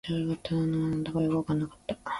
最初は気持ち悪かった。何だかよくわからなかった。